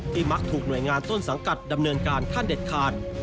มักถูกหน่วยงานต้นสังกัดดำเนินการขั้นเด็ดขาด